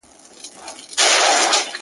• نوي جامې نه لرم زه نوي څپلۍ نه لرم -